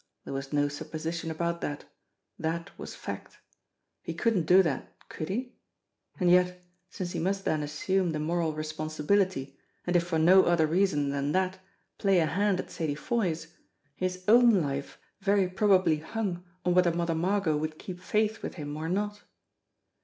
There was no supposition about that. That was fact. He couldn't do that, could he? And yet, since he must then assume the moral responsibility, and if for no other reason than that play a hand at Sadie Foy's, his own life very probably hung on whether Mother Margot would keep faith with him or not.